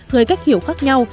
gây cách hiểu khác nhau